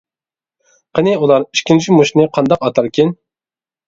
قېنى، ئۇلار ئىككىنچى مۇشتنى قانداق ئاتاركىن؟ !